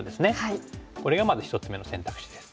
これがまず１つ目の選択肢です。